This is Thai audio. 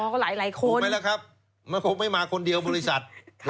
ก็หลายคนไหมล่ะครับมันคงไม่มาคนเดียวบริษัท